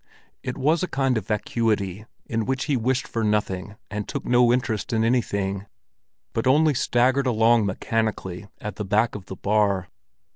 It was a kind of vacuity, in which he wished for nothing and took no interest in anything, but only staggered along mechanically at the back of the bar.